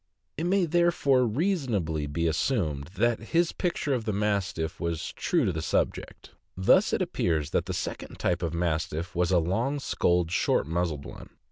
It may therefore reasonably be assumed that his picture of the Mastiff was true to the subject. Thus it appears that the second type of Mastiff was a long skulled, short muzzled one.